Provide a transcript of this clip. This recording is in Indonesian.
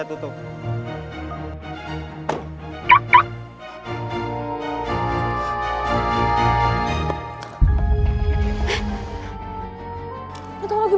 kamu mau ke duluan aja ya